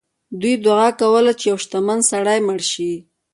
دوی دعا کوله چې یو شتمن سړی مړ شي.